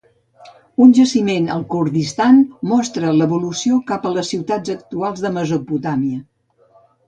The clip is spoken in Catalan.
Un jaciment al Kurdistan mostra l'evolució cap a les ciutats actuals de Mesopotàmia.